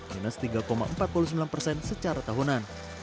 minus tiga empat puluh sembilan persen secara tahunan